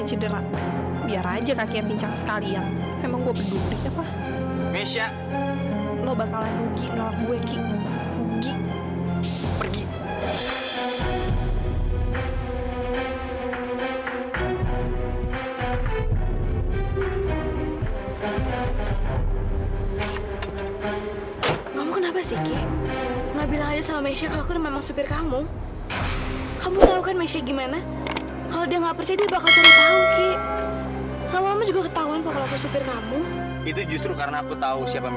sampai jumpa di video selanjutnya